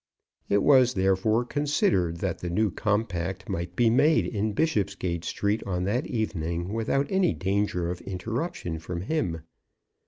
It was, therefore, considered that the new compact might be made in Bishopsgate Street on that evening without any danger of interruption from him.